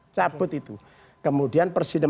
nyaput itu kemudian presiden